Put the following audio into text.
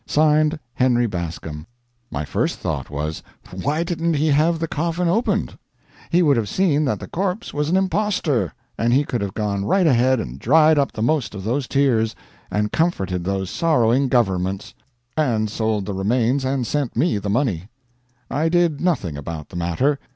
Signed, "Henry Bascom." My first thought was, why didn't he have the coffin opened? He would have seen that the corpse was an imposter, and he could have gone right ahead and dried up the most of those tears, and comforted those sorrowing governments, and sold the remains and sent me the money. I did nothing about the matter.